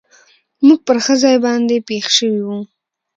موږ پر ښه ځای باندې پېښ شوي و.